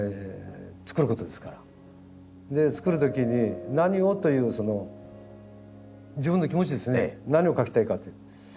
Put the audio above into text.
で作る時に「何を」という自分の気持ちですね何を描きたいか。